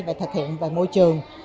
và thực hiện về môi trường